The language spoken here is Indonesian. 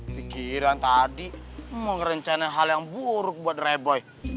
pikiran tadi mau ngerencana hal yang buruk buat reboy